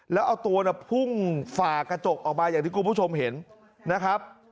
แล้วเอาตัวพุ่งฝ่ากระจกออกมาอย่างที่คุณผู้ชมเห็นนะครับ